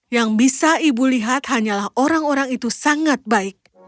yang bisa ibu lihat hanyalah orang orang itu sangat baik